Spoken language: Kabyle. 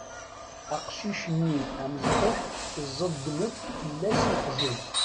Aqcic-nni amecṭuḥ iẓeddem-d fell-as uqjun.